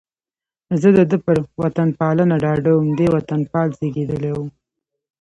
زه د ده پر وطنپالنه ډاډه وم، دی وطنپال زېږېدلی و.